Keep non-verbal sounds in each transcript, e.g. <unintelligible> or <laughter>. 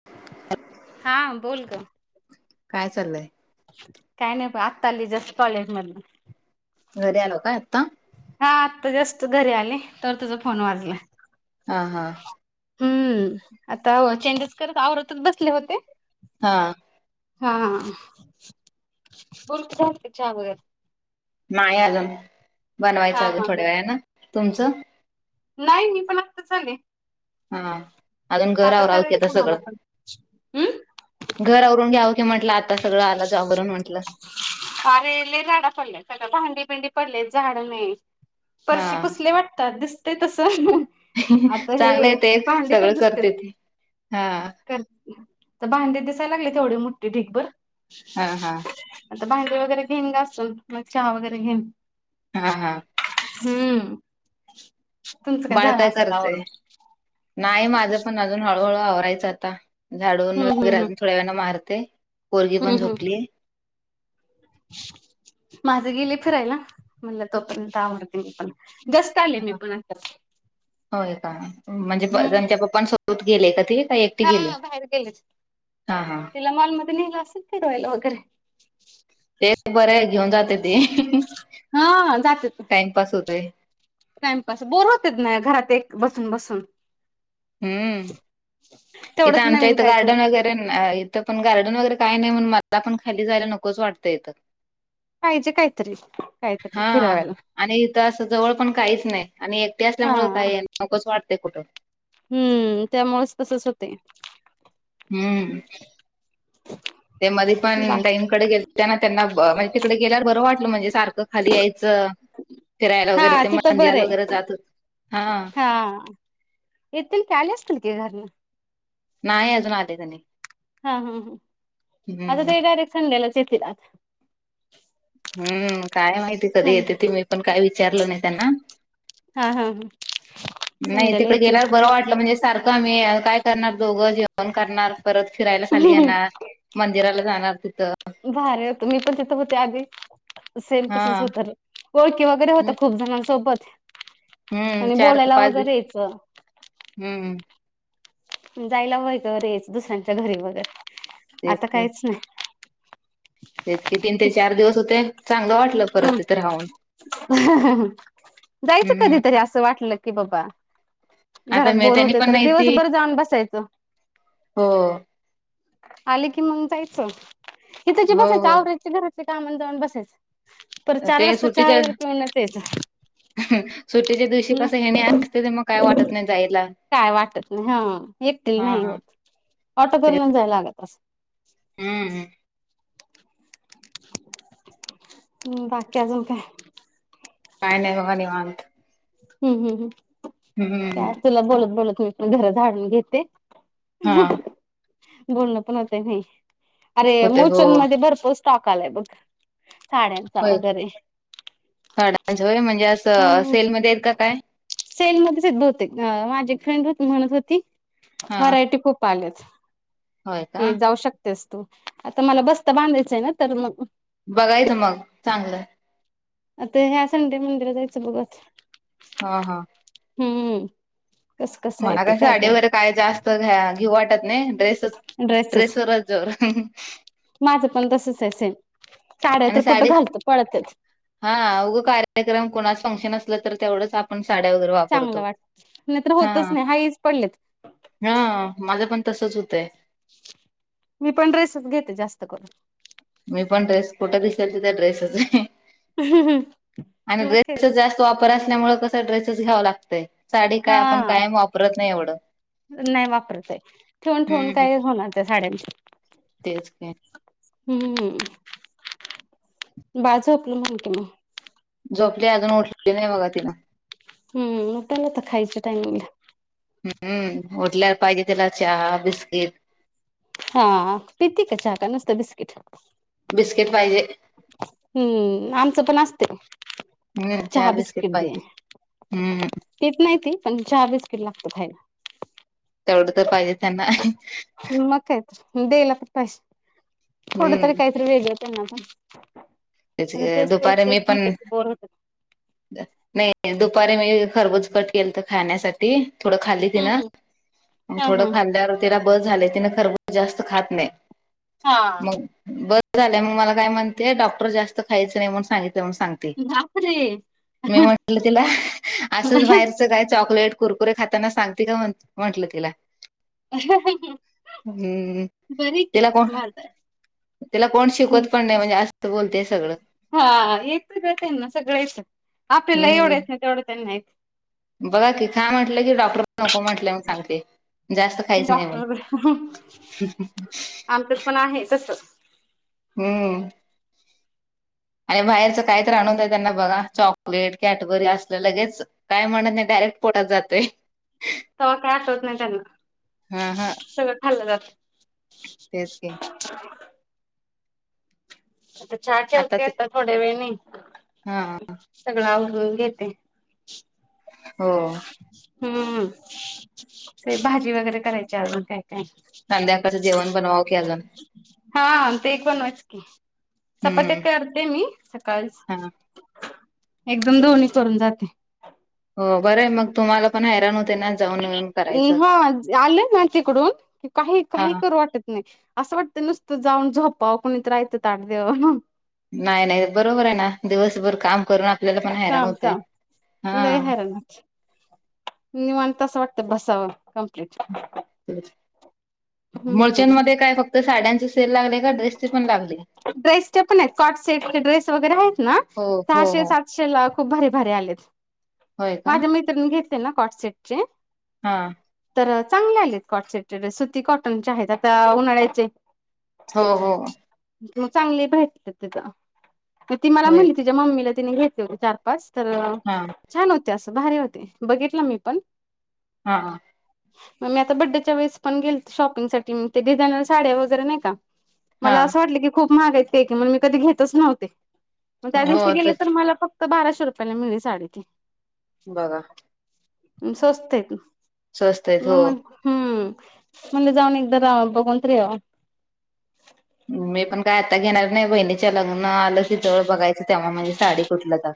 <inaudible> हा बोल ग काय चाललं? काय नाही ब आत्ता आली जस्ट कॉलेज मधण घरी आलो काय आता? हा आत्ता जास्ट घरी आली तर तुझा फोन वाजला. हा हा हम्म आता चेंजेस करत आवरतच बसले होते. हा हा हा बलते वाटतं चहा बगत नाही अजुन हा बनवायचं हा अ हा थोड्या वेळ ना तुमचं? नाही मी पण आता आले. हा अजून घर आवरायचं सगळ. हम्म घर अवरून घ्याव की म्हंटलं आता सगळं आलं जॉब वरून म्हटलं. अरे लय राडा पडला त आता भांडी बिंडी पडलेत झाडं नाही. हा फरशी पुसले वाटत दिसते तस चांगलं आहे ते सगळं करते ती हा रते की पन भांडे दिसायला लागलेत येवढे मोठठीे ढीगबर हा हा आता भांडी वगैरे घेईन घासून मग चहा वगैरे घेईन. हा हा हम्म तुमचं बाळ झालं काय असेल आवरून. करतय? नाही माझं पण अजून हळूहळू आवरायचं आता झाडून हम्म हम्म वगैरे हम्म अजून थोड्या वेळान मारते. पोरगी पण हम्म हम्म झोपली. माझं गेलेय फिरायला. म्हणलं तो पर्यंत आवरते मी पण. जस्ट आले मी पण आताच. होय का? म्हणजे हम्म. त्यांच्या पप्पां सोबत गेले का ती? हा बाहेर गेलेत. हा हा तिला मॉलमध्ये नेले असेल फिरवायला वगैरे. ते बर आहे घेऊन जाते ते. हा जातेत टाइमपास होतय. टाइमपास. बोर होतेच ना घरात एक बसून बसून. हम्म. इथं तेवढंच आमच्या नवीन इथं काहीतरी गार्डन वगैरे इथं पण गार्डन वगैरे काही नाही म्हणून मला पण खाली जायला नकोच वाटतं इथं. पाहिजे काहीतरी काहीतरी हा. फिरावायला. आणि इथ असं जवळ पण काहीच नाही. आणि एकटे हा असल्यामुळें काय आहे नकोच वाटते कुठं. हम्म. त्यामुळेच तसच होते. हम्. <inaudible> त्यामध्ये बा पण ताईनकडे गेलत्या त्यांना म्हणजे तिकडे गेल्यावर बरं वाटलं. म्हणजे सारखं खाली यायचं. फिरायला वगैरे. हा ते तिथं बरं मंदिराला आहे. वगैरे जात होतो. हा. येतील की आले असतील की घरला. नाही अजून आल तेनी. हा हा हा. आता हम्म ते डायरेक्ट संडेलाच येतील. हम्म. काय माहिती कधी संडे येते ती मी पण काय विचारलं नाही त्यांना. हा हा ह नाही संडेला तिकडे येतील गेल्यावर बरं वाट म्हणजे सारखं आम्ही काय करणार दोघं जेवण करणार. परत फिरायला खाली येणार. मंदिराला जाणार तिथं. भारी होत. मी पण तिथं होते आधी. सेम हा तसंच होत. ओळखी वगैरे होत खूप जणांसोबत. हम्म. आणि चार ते बोलायला पाच दिस. वगैरे यायचं हम्म. जायला वैगंरेच. दुसऱ्यांच्या घरी वगैरे. तेच आता की काहीच नाही. तेच की तीन ते चार दिवस होते. चांगलं वाटलं परत तिथे राहून. जायचं हम्म कधीतरी असं वाटलं की बाबा. आता घरात मी बोर त्यांनी होते पण तर नाही ती दिवसभर जाऊन बसायचं. हो. आले की मग जायचं. इथ ज हो बसेच हो आवराची घरातले काम आणि जाऊन बसेच. पर चार ते वाजता चहा सुट्टीच्या वगैरे पिवूणच याच. सुट्टीच्या दिवशी कसं हेणे असते ते मग काय वाटत नाही जायला. काय वाटत नाही. हा एकटतील हा नाही हा होत. ऑटो ते करून जायला लागत असं. हम्म. हम्. बाकी अजून काय? काय नाही बघा निवांत. हम् हम् हम्. हम्म. तुला बोलत बोलत मी पण घर झाडून घेते. हा बोलण पण होत नय. अरे होते हो मोचन मध्ये भर टाकालाय बघ साड्या! होय साड्याच होय म्हणजे असं हम्म सेलमध्ये आहेत का काय! सेलमध्येच आहेत भवतेक माझी फ्रेंड म्हणत होती हा व्हरायटी खूप आल्यात. होय का ये जाऊ शकतेस तू, आता मला बस्ता बांधायांचा आहे ना तर मग! बघायचं मग चांगलं. आता ह्या संडे मंदिरात जायचं बघू आता. हा हा! हूं! माला काय साडी वगैरे काय जास्त घेऊ वाटत नाही ड्रेसच. ड्रेस ड्रेसच वरच जोर. माझं पण तसच आहे सेम साड्या आणि तर कुठं साडी घालत पळतच. हा उग कार्यक्रम कोणाच फंक्शन असलं तर तेवढंच आप पण साड्या वगैरे वापरतो चांगलं वाटत नाहीतर होतच हा! नाही हाच पडलेत हं माझं पण तसच होतंय. मी पण ड्रेसच घेते जास्त करून. मी पण ड्रेस कुठं दिसेल तीत ड्रेसच, करून आणि मग तेच ड्रेसच जा स्त वापर असल्यामुळे कस ड्रेसच घ्याव लागतयं, साडी काय हा आपण कायम वापरत नाही एवढं. नाही वापरतय ठेवून, ठेवून हम्म काय होणार त्या साड्यांच. तेच की! हूं बाळ झोपल म्हणून त म. झोपलिया अजून उठली नाई बघा तिनं. हूं उठलं आता खायच्या टाईमिंग ला. हूं ऊ उठल्यावर पाहिजे तिला चहा बिस्किट. हा हा पिति का च्यां का नुस्त बिस्किट? बिस्किट पाहिजे. हूं आमचं पण आसतय. चहा बिस्किट दे हम्म पित नाही ती, पण चहा बिस्किट लागतं खायला. तेवढं तर पाहिजे त्यांना. मग काय तर देयला तर पाहिजे, थोड तरी हम्म काय तरी वेगळं. त्यांना का म्हणजे, त्याचे तेच तेच दुपारी तेच मी पण म्हटलं की बोर होतं. नाही दुपारी मी खरबुज कट केलत खाण्यासाठी. थोडं खाल्ली हम्म तिनं हम्म मग हा थोडं हा. खाल्यावर तिला बस झालं तिनं खरबूज जास्त खात नाई हा. मग ब स झालंय मग मला काय म्हणते, डॉक्टर जास्त खायाच नाही म्हणून सांगितलय म्हणून सांग. ते बापरे! मी म्हटलं तिला असच बाहेर च काय चॉकलेट, कुरकुरे खाताना सांगती का म्ह-म्हटलं तिला. हम्म बरी की तिला कोण वालतंय. तिला कोण शिकवत पण नाई, म्हणजे आसतं बोलतीय सगळं. हा येत ग त्यांना सगळं येतं, आपल्याला एवढं येत नाई तेवढं त्यांना येतं. बघ की खा म्हटलं की डॉक्टर नको म्हटले म्हणून सांगते. जास्त खायच नाही म्हण डॉक्टरकड आमच्यात पण आहे तसं. हूं! आणि बाहेरचं कायतरी आणून दया त्यांना बघा चॉकलेट, कॅटबरी असलं लगेच काय म्हणत नाही डायरेक्ट पोटात जातंय. तवा काय आठवत नाई त्यांना, हा सगळं खाल्ल जात. तेच की. आता चहा ठेवते आता थोड्या वेळानं. हा <inaudible> सगळं आवरुन घेते. हो. हम्म. ते भाजी वगैरे करायचे अजून काय काय? <inaudible> संध्याकाळचं जेवण बनवावं की अजून हा ते एक पण आहेच की. चपात्या हम्म करते मी हा सकाळीचं. <inaudible> एकदम दोन्ही करून जाते. हो बरं आहे मग तुम्हाला पण आराम होते ना. जाऊन येऊन करायचं हम. आलेना तिकडून, की काही हा काही करू वाटत नाही. आस वाटतं नुस्त जाऊन झोपावं, कोणीतरी आयत ताट द्याव आणून. नाही नाही बरोबर आहे ना. दिवसभर काम करून आपल्याला पण हैराण काम होतंय काम हा. <unintelligible> निवांत आस वाटतंय बसावं कंप्लीट. <inaudible> हम्म मुलचंद मध्ये काय, फक्त साड्यांचे सेल लागले का ड्रेसचे पण लागले? ड्रेसचे पण आहेत. कॉट सेट चे ड्रेस वगैरे आहेत ना, हो हो सहाशे हो सात सेल ला खूप भारी भारी आलेत. होय का माझ्या मैत्रिणीने घेतले ना कॉटसेटचे हा. तर चांगले आलेत कॉट सेट चे सुती कॉटनचे आहेत. आता उन्हाळ्याचे. हो हो. चांगली भेटतेत तिथं. <inaudible> की ती मला होय म्हणती ते मम्मीला तिने घेतले होते चार पाच. तर हा छान होते असं, भारी होते बघितलं मी पण. हा. मग मी आता बड्डेच्या वेळेस पण गेलते शॉपिंगसाठी, मग ते डिझायनर साड्या वगैरे नाही का हा मला असं वाटलं की खूप महाग हायत ते की, म्हणून मी कधी घेतच नव्हते. मग त्या दिवशी गेले तर मला फ तर बाराशे रुपयाला मिळेली साडी ती. बघा <inaudible> स्वस्ते <inaudible> स्वस्त आहेत हो मग म्हणू हम्म, म्हणलं जावूण एकदा बघून तरी यावा. मी पण काय आता घेणार नाही. बहिणीच्या लग्न आलं की जवळ बघायचं, तेव्हा म्हणजे साडी कुठलं जा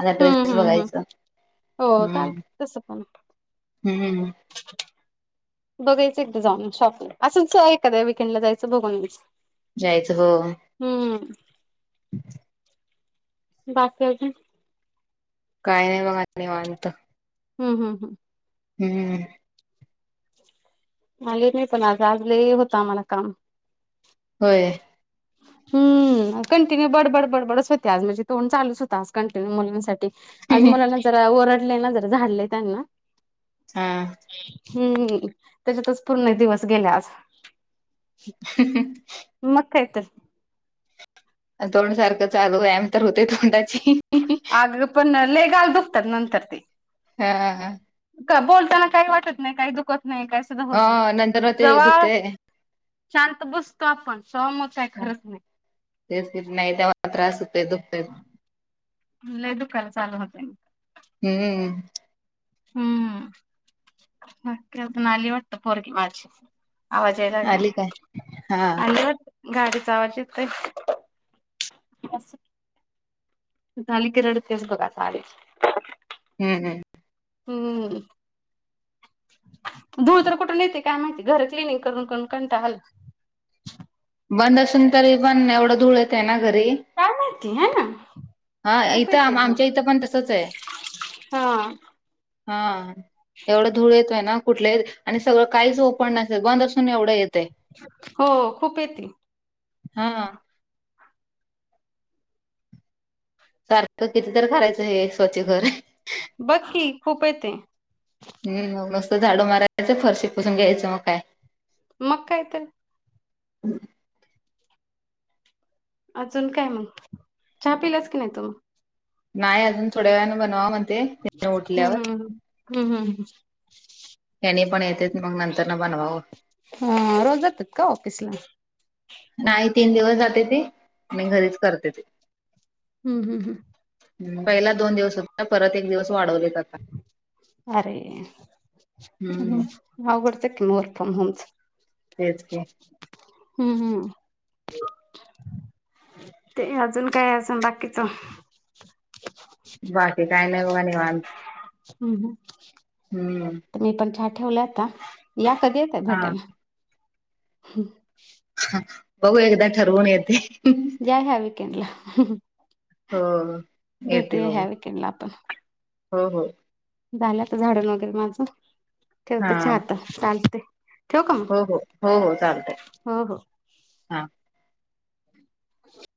आता हम्म ड्रेस हम्म हम्म बघायचं. <inaudible> हो हम्म चालत तसं पण <inaudible> हम्मम् <inaudible> बघायचं एकदा जाऊन शॉपला. असंच एकद्या विककेंडला जायचं बघून घ्यायचं. जायचं हो. हम्म बाकी अजून? काही नाही बघा निवांत. हम् हम् हम. हम्म हम्म हम्म. आले नाही पण आज. आज लयं होत आम्हाला काम. होय <inaudible> हम्म कंटिन्यू बडबड बडबडच होते आज माझी. तोंड चालच हो आज कंटिन्यू मुलींसाठी. आज मुलांना जरा ओरडले ना, जरा झाडले त्यांना. हा हम्मम, त्याच्यातच पूर्ण दिवस गेला आज. <unintelligible> मग काय तर? तोंडसारखं चालु राहत व्यायाम तर होते तोंडाची. आग पण लै गाल दुखतात नंतर ते. हा. का बोलताना काही वाटत नाही. काही दुखत नाही काय हो होत नाही. नंतर मग ते जवा दुखते शांत बसतो आपण, तवा मग काही खरंच नाही. तेच नाही ते मला त्रास होतोय दुखतय. लय दुकाल चालू होत. हम्म. हम्म नकीता आली वाटत पोरगी माझी. आवाज यायला आली काय हा लागला गाडीचा आवाज येतोय. <inaudible> झाली की रडतेस बघाता आलेच. हम्, हम्. हम्म. धूळ तर कुठून येते काय माहित? घर क्लिनींग करून, करून कंटाळा आला. बंद असून तरी, एवढं धूळ येत आहे ना घरी. काय माहिती हाय ना <inaudible> हा खूप ईथं येते धूळ. आमच्या इथं पण तसच आहे. हा. हा एवढं धूळ येतोय ना. कुठले आणि सगळं काहीच ओपन नसुन, बंद असून एवढं येतय. <inaudible> हो खूप येते. हा. सारखं किती तरी करायचं हे स्वछ घर हे. बघ की खूप येते. हम् मग नुसतं झाडु मारायच, फरशी पुसुन घ्यायचं, मग काय? मग काय त. अजून काय मग, चहा पिलास की नाही तु? नाही अजून थोड्या वेळाने बनवावा म्हणते. उठल्यावर हम्म हम्, हम्, हम्, हम. त्यांनी पण येते मग नंतर न बनवावं. हा रोज जातात का? ऑफिस ला. नाही तीन दिवस जातेत. मग घरीच करते ती. हम्, हम्, हम. पहिला दोन होता. परत एक दिवस वाढवलीत आता. अरे हम्म अवघडच आहे की, मग वर्क फ्रॉम होम. तेच की. हम्म, हम. ते अजून काय अजून बाकीच. बाकी काय नाही बघा निवांत. हम्म, हा. हम्म. तर मी पण चहा ठेवलाय आता. मग कधी येताय हा भेटायला. बघू एकदा ठरवून येते. या ह्या विकेंडला. हो. भेटू येते या बघू ह्या विकेंडला आपण. हो, हो! झालं आता झाडून वगैरे माझं, हा ठेवते चहा आता चालतयं. हो, हो, हो, हो चालतयं, हो हो हा. <unintelligible>